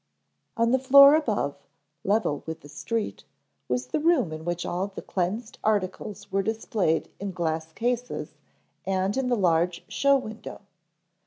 On the floor above, level with the street, was the room in which all the cleansed articles were displayed in glass cases and in the large show window.